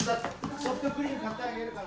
ソフトクリーム買ってあげるから。